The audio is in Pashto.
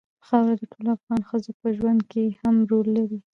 خاوره د ټولو افغان ښځو په ژوند کې هم رول لري.